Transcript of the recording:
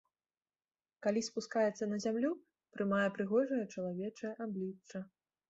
Калі спускаецца на зямлю, прымае прыгожае чалавечае аблічча.